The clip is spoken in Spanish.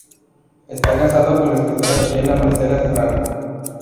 Está casado con la escritora chilena Marcela Serrano.